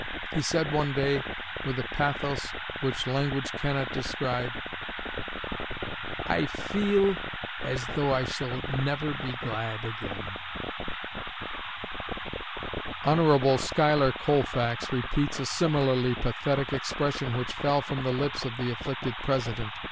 He said one day, with a pathos which language cannot describe, 'I feel as though I shall never be glad again.'" Hon. Schuyler Colfax repeats a similarly pathetic expression which fell from the lips of the afflicted President.